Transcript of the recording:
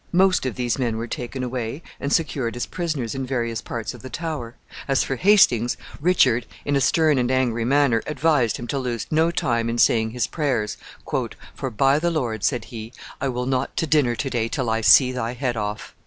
Most of these men were taken away and secured as prisoners in various parts of the Tower. As for Hastings, Richard, in a stern and angry manner, advised him to lose no time in saying his prayers, "for, by the Lord," said he, "I will not to dinner to day till I see thy head off."